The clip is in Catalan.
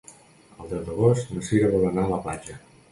El deu d'agost na Cira vol anar a la platja.